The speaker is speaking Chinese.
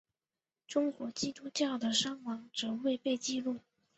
中国基督徒的伤亡则未被记录。